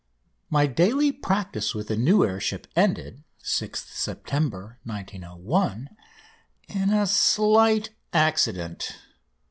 6"] My daily practice with the new air ship ended, 6th September 1901, in a slight accident.